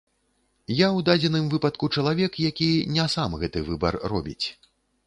Я ў дадзеным выпадку чалавек, які не сам гэты выбар робіць.